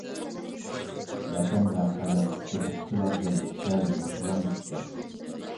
ۋەتەن ۋە خەلق ئوقۇتقۇچىلاردىن دەل مۇشۇلارنى كۈتكەن!